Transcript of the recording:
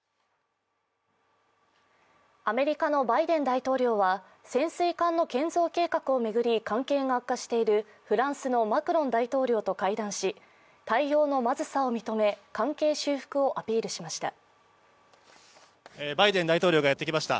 アメリカのバイデン大統領は潜水艦の建造計画を巡り関係が悪化しているフランスのマクロン大統領と会談し対応のまずさを認め、関係修復をアピールしました。